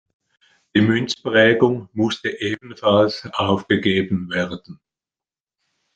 Die Münzprägung musste ebenfalls aufgegeben werden.